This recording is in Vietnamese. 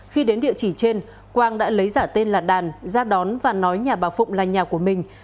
khi đến địa chỉ trên quang đã lấy giả tên là đàn ra đón và nói nhà bà phụng là nhà của mình